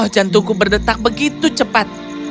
jantungku berdetak begitu cepat